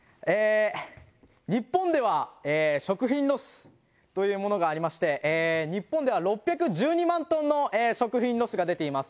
日本では食品ロスというものがありまして日本では６１２万トンの食品ロスが出ています。